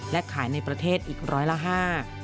และขายในประเทศอีก๑๐๕บาท